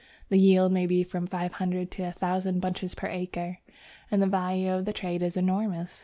The yield may be from five hundred to a thousand bunches per acre, and the value of the trade is enormous.